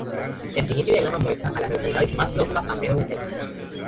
El siguiente diagrama muestra a las localidades más próximas a Meadow Lakes.